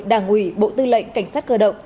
đảng ủy bộ tư lệnh cảnh sát cơ động